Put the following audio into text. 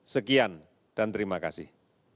sekian dan terima kasih